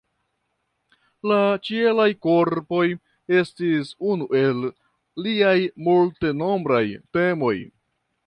La ĉielaj korpoj estis unu el liaj multenombraj temoj.